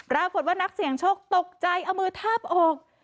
ปรากฏว่านักเสี่ยงโชคตกใจเอามือทาบอก